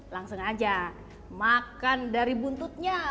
langsung aja makan dari buntutnya